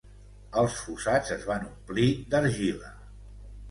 Els fossats es van omplir d'argila.